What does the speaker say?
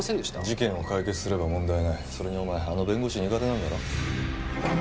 事件を解決すれば問題ないそれにお前あの弁護士苦手なんだろ？